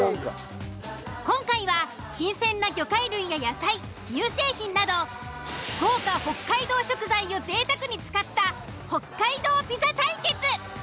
今回は新鮮な魚介類や野菜乳製品など豪華北海道食材を贅沢に使った北海道ピザ対決！